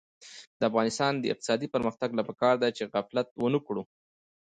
د افغانستان د اقتصادي پرمختګ لپاره پکار ده چې غفلت ونکړو.